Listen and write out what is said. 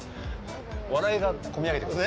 笑いが込み上げてくる。